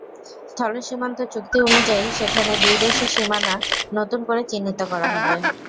স্থলসীমান্ত চুক্তি অনুযায়ী সেখানে দুই দেশের সীমানা নতুন করে চিহ্নিত করা হবে।